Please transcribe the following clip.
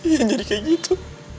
sehingga ian jadi kayak gitu